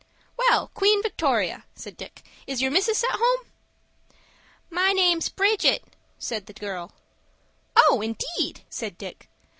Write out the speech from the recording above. "Well, Queen Victoria," said Dick, "is your missus at home?" "My name's Bridget," said the girl. "Oh, indeed!" said Dick.